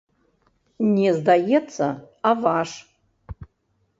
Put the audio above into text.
Не здаецца, а ваш!